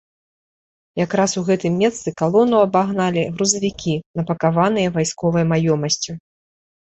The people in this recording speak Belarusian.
Якраз у гэтым месцы калону абагналі грузавікі, напакаваныя вайсковай маёмасцю.